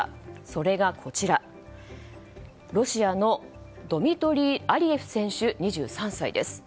それが、ロシアのドミトリー・アリエフ選手２３歳です。